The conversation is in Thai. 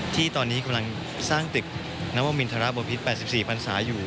ที่ตอนนี้กำลังสร้างตึกนวมินทรบพิษ๘๔พันศาอยู่